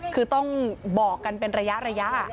คือต้องบอกกันเป็นระยะ